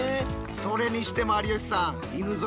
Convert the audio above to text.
それにしても有吉さん